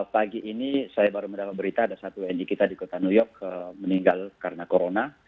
pagi ini saya baru mendapat berita ada satu wni kita di kota new york meninggal karena corona